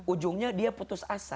ujungnya dia putus asa